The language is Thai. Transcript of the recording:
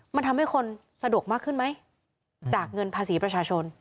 มันทำให้คนสะดวกมากขึ้นไหมจากเงินภาษีประชาชน